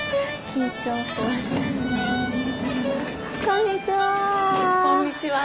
こんにちは。